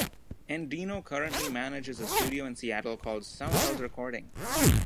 Endino currently manages a studio in Seattle called Soundhouse Recording.